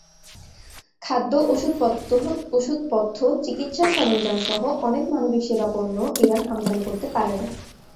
খাদ্য, ওষুধপথ্য, চিকিৎসার সরঞ্জামসহ অনেক মানবিক সেবাপণ্যও ইরান আমদানি করতে পারে না।